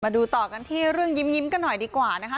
ดูต่อกันที่เรื่องยิ้มกันหน่อยดีกว่านะคะ